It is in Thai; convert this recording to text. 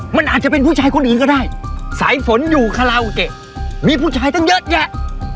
มันอาจจะเป็นผู้ชายคนอื่นก็ได้สายฝนอยู่คาราโอเกะมีผู้ชายตั้งเยอะแยะ